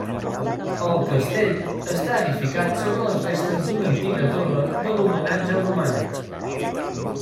El castell està edificat sobre les restes d'una antiga torre de l'homenatge romana.